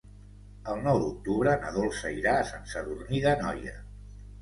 El nou d'octubre na Dolça irà a Sant Sadurní d'Anoia.